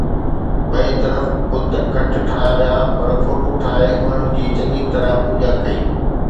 ٻئي طرف بت گهٽ ٺاهيا ويا، پر فوٽو ٺاهي انهن جي چڱيءَ طرح پوڄا ڪئي